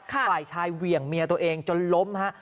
ฝ่ายชายเหวี่ยงเมียตัวเองจนล้มฮะ